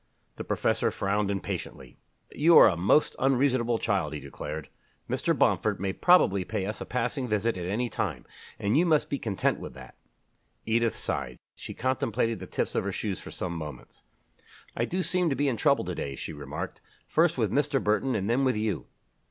The professor frowned impatiently. "You are a most unreasonable child," he declared. "Mr. Bomford may probably pay us a passing visit at any time, and you must be content with that." Edith sighed. She contemplated the tips of her shoes for some moments. "I do seem to be in trouble to day," she remarked, "first with Mr. Burton and then with you."